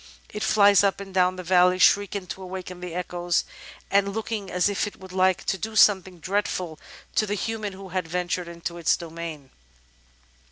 It flies up and down the valley, shrieking to awaken the echoes, and looking as if it would like to do something dreadful to the human who had ventured into its domain.